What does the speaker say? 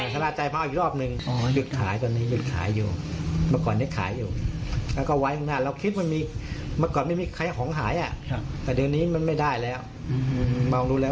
หรอฮะรอบแรกน่ะเอาไปก่อนแล้วล่ะ